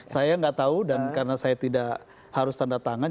saya tidak tahu dan karena saya tidak harus tandatangan